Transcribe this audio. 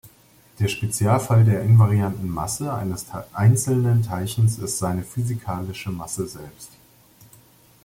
Der Spezialfall der invarianten Masse eines einzelnen Teilchens ist seine physikalische Masse selbst.